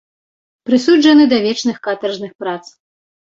Прысуджаны да вечных катаржных прац.